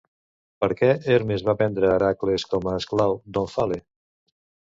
Per què Hermes va vendre Hèracles com a esclau d'Òmfale?